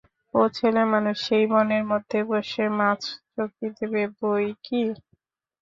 ও ছেলেমানুষ, সেই বনের মধ্যে বসে মাছ চৌকি দেবে বই কি?